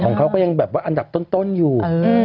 ของเขาก็ยังอันดับต้นอยู่